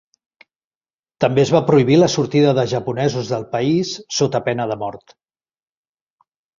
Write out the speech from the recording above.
També es va prohibir la sortida de japonesos del país sota pena de mort.